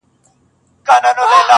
پاچاهان نه د چا وروڼه نه خپلوان دي،